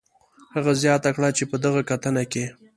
هغه زیاته کړې چې په دغه کتنه کې